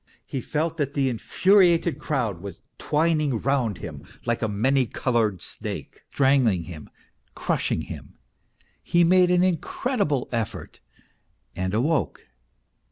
He felt that the infuriated crowd was twining round him like a many coloured snake, strangling him, crushing him. He made an incredible effort and awoke.